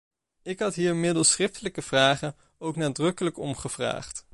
Ik had hier middels schriftelijke vragen ook nadrukkelijk om gevraagd.